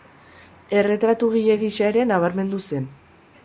Erretratugile gisa ere nabarmendu zen.